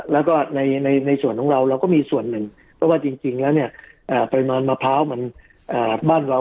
แล้วก็ในส่วนของเราเราก็มีส่วนหนึ่งเพราะว่าจริงแล้วเนี่ยปริมาณมะพร้าวมันบ้านเรา